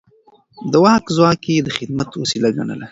د واک ځواک يې د خدمت وسيله ګڼله.